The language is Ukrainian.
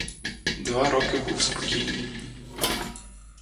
Два роки був спокій.